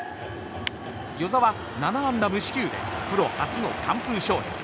與座は７安打無四球でプロ初の完封勝利。